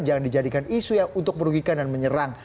jangan dijadikan isu untuk merugikan dan menyerang